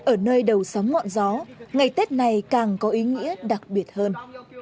ở nơi đầu sóng ngọn gió ngày tết này càng có ý nghĩa đặc biệt hơn